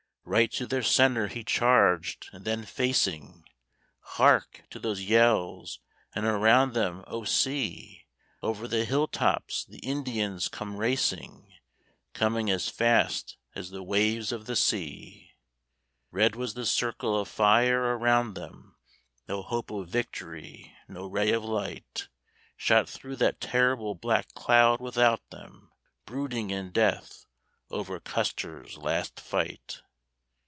Right to their centre he charged, and then facing Hark to those yells! and around them, O see! Over the hilltops the Indians come racing, Coming as fast as the waves of the sea! Red was the circle of fire around them; No hope of victory, no ray of light, Shot through that terrible black cloud without them, Brooding in death over Custer's last fight.